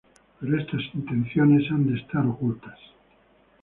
Pero esas intenciones tienen que estar ocultas.